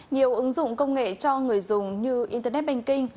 nhiều ứng dụng công nghệ cho người dùng như internet banking